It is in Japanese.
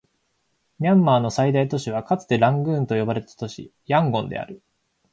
ミャンマーの最大都市はかつてラングーンと呼ばれた都市、ヤンゴンである